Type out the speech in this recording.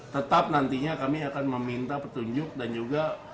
tetap nantinya kami akan meminta petunjuk dan juga